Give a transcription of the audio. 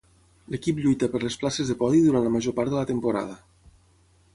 L'equip lluita per les places de podi durant la major part de la temporada.